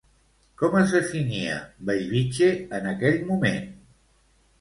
Com es definia Bellvitge en aquell moment?